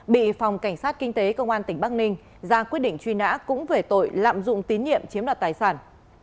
bị phòng cảnh sát kinh tế công an tỉnh bắc ninh ra quyết định truy nã cũng về tội lạm dụng tín nhiệm chiếm đoạt tài sản